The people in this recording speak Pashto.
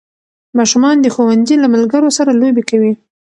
ماشومان د ښوونځي له ملګرو سره لوبې کوي